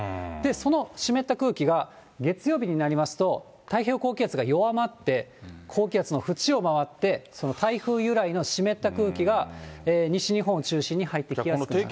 その湿った空気が、月曜日になりますと、太平洋高気圧が弱まって、高気圧の縁を回って、その台風由来の湿った空気が、西日本を中心に入ってきやすくなる。